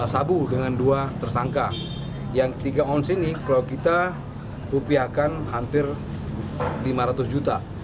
sabu dengan dua tersangka yang tiga ons ini kalau kita rupiahkan hampir lima ratus juta